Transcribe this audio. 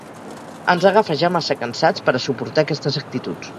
Ens agafa ja massa cansats per a suportar aquestes actituds.